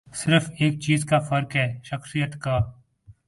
صرف ایک چیز کا فرق ہے، شخصیت کا۔